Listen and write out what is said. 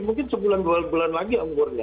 mungkin sebulan dua bulan lagi umurnya